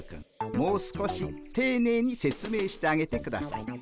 もう少していねいに説明してあげてください。